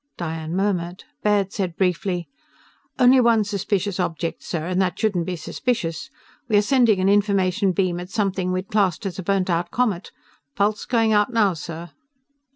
_" Diane murmured. Baird said briefly: "Only one suspicious object, sir and that shouldn't be suspicious. We are sending an information beam at something we'd classed as a burned out comet. Pulse going out now, sir."